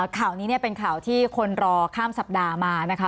ข่าวนี้เป็นข่าวที่คนรอข้ามสัปดาห์มานะคะ